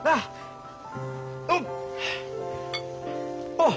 あっ！